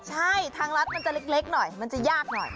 ใช่ทางรัฐมันจะเล็กหน่อยมันจะยากหน่อย